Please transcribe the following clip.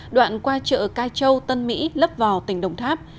đoạn qua chợ cai châu tân mỹ lấp vò tỉnh đồng tháp